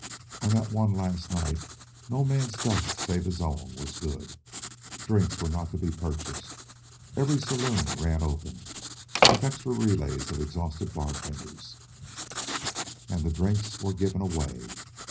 On that one last night no man's dust save his own was good. Drinks were not to be purchased. Every saloon ran open, with extra relays of exhausted bartenders, and the drinks were given away.